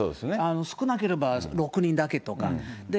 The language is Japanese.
少なければ６人だけとか。